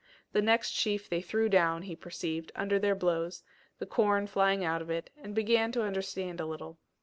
The next sheaf they threw down, he perceived, under their blows, the corn flying out of it, and began to understand a little.